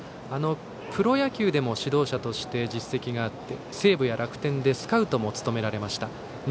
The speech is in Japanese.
プロ野球でも指導者として実績があって西武や楽天でスカウトも務められました。